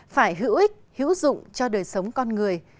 phải hữu ích hữu dụng cho đời sống con người